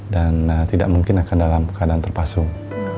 dan tidak mungkin akan dalam keadaan terpasung